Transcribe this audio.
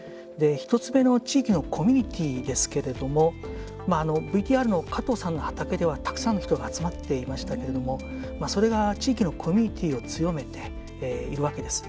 １つ目の地域のコミュニティーですけれどもＶＴＲの加藤さんの畑ではたくさんの人が集まっていましたけれどもそれが地域のコミュニティーを強めているわけです。